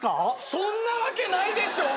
そんなわけないでしょ！？